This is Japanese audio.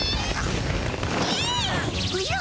おじゃ？